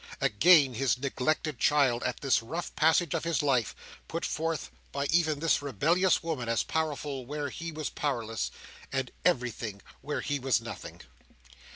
Again, his neglected child, at this rough passage of his life, put forth by even this rebellious woman, as powerful where he was powerless, and everything where he was nothing!